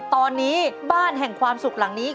ตอนนี้บ้านแห่งความสุขหลังนี้